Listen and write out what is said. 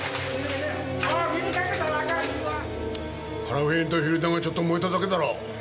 パラフィンとフィルターがちょっと燃えただけだろう。